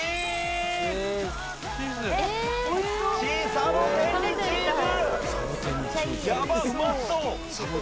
サボテンチーズ！